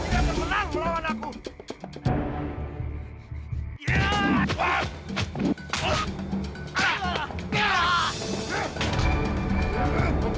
kau tidak akan menang melawan aku